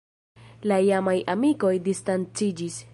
La iamaj amikoj distanciĝis.